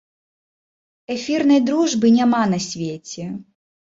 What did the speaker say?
Эфірнай дружбы няма на свеце!